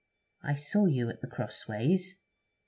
'I saw you at The Crossways.'